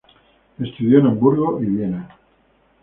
Estudió en Hamburgo y Viena.